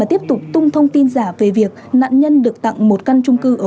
với một số thông tin giả về việc nạn nhân được tặng một căn trung cư